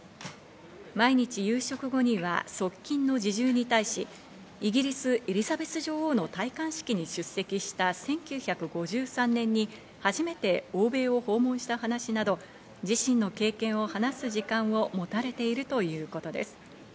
毎日夕食後には側近の侍従に対し、イギリス、エリザベス女王の戴冠式に出席した１９５３年に初めて欧米を訪問した話など、自身の経験を話す時間を持たれているということです。